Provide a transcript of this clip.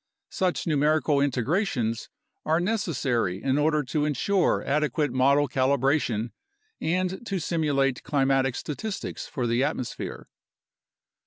Such numerical integrations are necessary in order to ensure adequate model calibration and to simulate climatic statistics for the atmosphere.